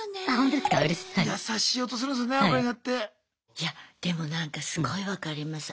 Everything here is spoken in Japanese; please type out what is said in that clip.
いやでもなんかすごい分かります。